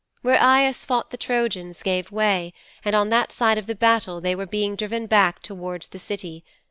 'Where Aias fought the Trojans gave way, and on that side of the battle they were being driven back towards the City.